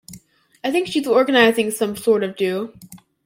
I think she's organising some sort of do.